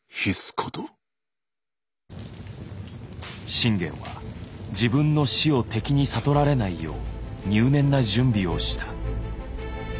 信玄は自分の死を敵に悟られないよう入念な準備をした。